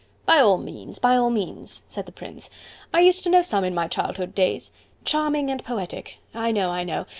"By all means! By all means!" said the Prince. "I used to know some in my childhood days. Charming and poetic.... I know.... I know....